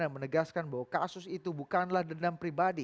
dan menegaskan bahwa kasus itu bukanlah dendam pribadi